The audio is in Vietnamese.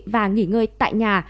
và nghỉ ngơi tại nhà